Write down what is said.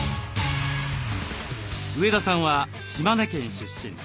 上田さんは島根県出身。